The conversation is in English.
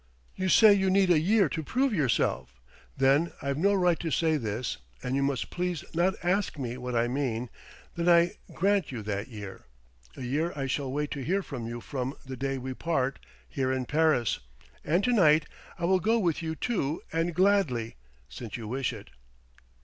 ... You say you need a year to prove yourself? Then I've no right to say this and you must please not ask me what I mean then I grant you that year. A year I shall wait to hear from you from the day we part, here in Paris.... And to night, I will go with you, too, and gladly, since you wish it!"